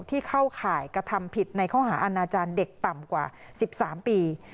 เข้าข่ายกระทำผิดในข้อหาอาณาจารย์เด็กต่ำกว่า๑๓ปี